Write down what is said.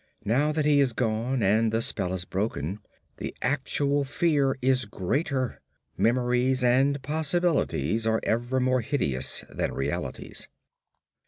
Now that he is gone and the spell is broken, the actual fear is greater. Memories and possibilities are ever more hideous than realities.